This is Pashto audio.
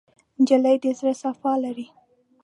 نجلۍ د زړه صفا لري.